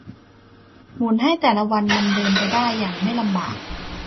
หมุนให้แต่ละวันมันเดินไปได้อย่างไม่ลำบาก